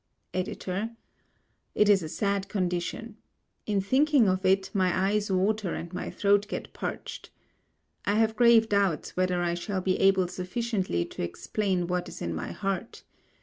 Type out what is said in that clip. EDITOR: It is a sad condition. In thinking of it, my eyes water and my throat get parched. I have grave doubts whether I shall be able sufficiently to explain what is in my heart.